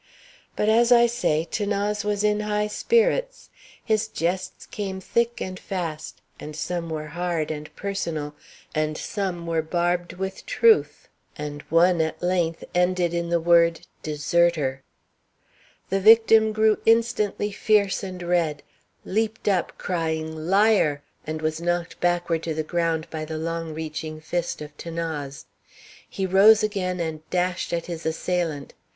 But, as I say, 'Thanase was in high spirits. His jests came thick and fast, and some were hard and personal, and some were barbed with truth, and one, at length, ended in the word "deserter." The victim grew instantly fierce and red, leaped up crying "Liar," and was knocked backward to the ground by the long reaching fist of 'Thanase. He rose again and dashed at his assailant.